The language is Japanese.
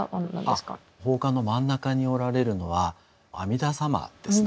宝冠の真ん中におられるのは阿弥陀様ですね。